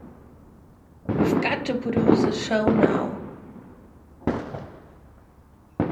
We've got to produce a show now.